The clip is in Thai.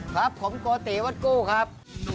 ครับผมโกติวัดกู้ครับ